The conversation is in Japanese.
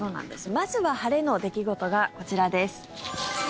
まずは晴れの出来事がこちらです。